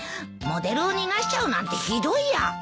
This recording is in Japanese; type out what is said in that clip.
モデルを逃がしちゃうなんてひどいや。